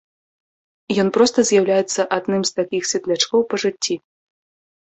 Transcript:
Ён проста з'яўляецца адным з такіх светлячкоў па жыцці.